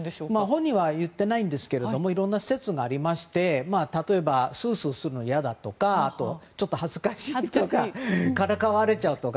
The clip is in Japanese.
本人は言っていないんですがいろんな説がありまして例えばスースーするのが嫌だとかちょっと恥ずかしいとかからかわれちゃうとか。